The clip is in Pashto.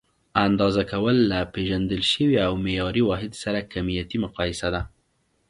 اندازه کول: له پېژندل شوي او معیاري واحد سره کمیتي مقایسه ده.